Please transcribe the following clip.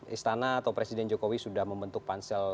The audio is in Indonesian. istana atau presiden jokowi sudah membentuk pansel